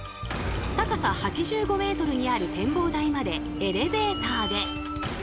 高さ８５ｍにある展望台までエレベーターで。